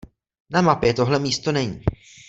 Na mapě tohle místo není.